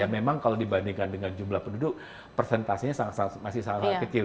memang kalau dibandingkan dengan jumlah penduduk persentasenya masih sangat kecil